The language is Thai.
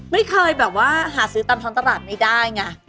ไม่เคยแบบว่าหาซื้อตามช้อนตลาดไม่ได้ไง